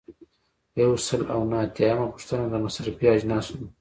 یو سل او نهه اتیایمه پوښتنه د مصرفي اجناسو ده.